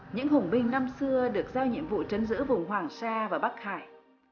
những hùng binh năm xưa được giao nhiệm vụ trấn giữa vùng hoàng sa và bắc hải